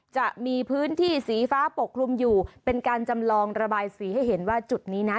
จะมีพื้นที่สีฟ้าปกคลุมอยู่เป็นการจำลองระบายสีให้เห็นว่าจุดนี้นะ